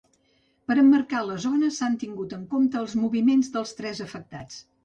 Per emmarcar la zona s’han tingut en compte els moviments dels tres afectats.